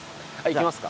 行きますか。